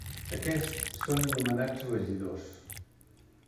Aquests són anomenats regidors.